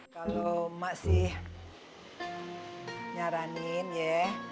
kalau masih nyaranin ya